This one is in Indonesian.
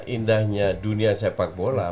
indahnya dunia sepak bola